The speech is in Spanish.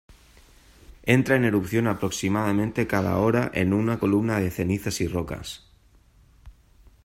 Entra en erupción aproximadamente cada hora en una columna de cenizas y rocas.